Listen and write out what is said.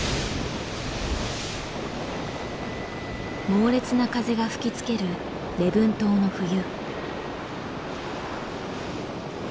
猛烈な風が吹きつける礼文島の冬。